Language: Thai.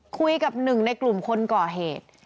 คุยกับหนึ่งในกลุ่มคนก่อเหตุ